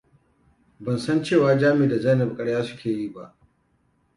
Ban san cewar Jami da Zainab ƙarya suke yi ba.